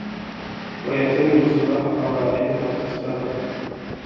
وَيَعْتَمِدُوا صَلَاحَ قَوَاعِدِهَا وَأَسْبَابِهَا